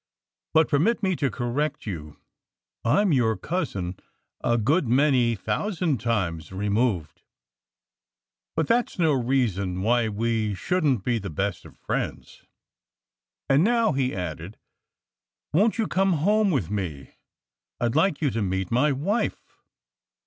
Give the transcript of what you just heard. "But permit me to correct you. I'm your cousin a good many thousand times removed. But that's no reason why we shouldn't be the best of friends. And now," he added, "won't you come home with me? I'd like you to meet my wife."